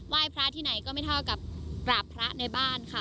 ยพระที่ไหนก็ไม่เท่ากับกราบพระในบ้านค่ะ